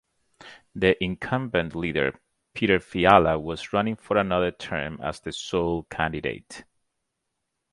The incumbent leader Petr Fiala was running for another term as the sole candidate.